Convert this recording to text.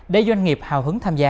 để doanh nghiệp hào hứng tham gia